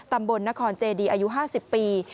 ตำบรณคลใต้๒๐ปี